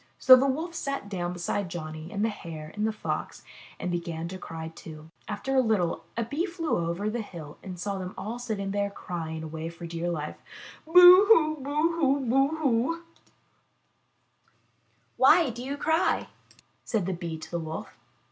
So the Wolf sat down beside Johnny and the Hare and the Fox and began to cry, too. After a little a Bee flew over the hill and saw them all sitting there crying away for dear life, "Boo hoo. Boo hoo. Boo hoo." 8i MY B O O K H O U S E 'Why do you cry?'' said the Bee to the Wolf.